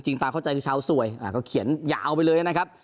ตาเข้าใจคือชาวสวยก็เขียนยาวไปเลยนะครับ